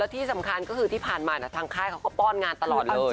ที่สำคัญก็คือที่ผ่านมาทางค่ายเขาก็ป้อนงานตลอดเลย